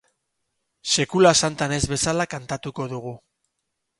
Sekula santan ez bezala kantatuko dugu.